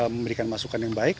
memberikan masukan yang baik